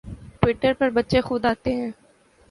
Twitter پر بچے خود آتے ہیں